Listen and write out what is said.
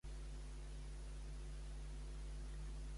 La Revolució francesa va finalitzar amb l'orde a França.